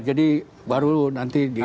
jadi baru nanti dia